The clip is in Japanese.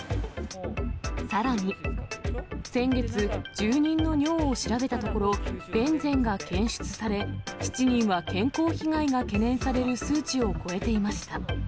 さらに、先月、住人の尿を調べたところ、ベンゼンが検出され、７人は健康被害が懸念される数値を超えていました。